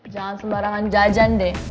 jangan sembarangan jajan deh